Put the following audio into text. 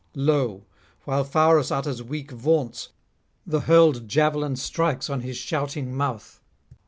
Lo! while Pharus utters weak vaunts the hurled javelin strikes on his shouting mouth.